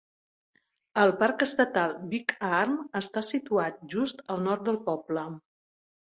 El Parc Estatal Big Arm està situat just al nord del poble.